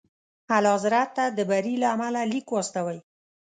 اعلیحضرت ته د بري له امله لیک واستوئ.